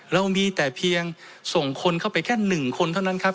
เรามีแต่เพียงส่งคนเข้าไปแค่๑คนเท่านั้นครับ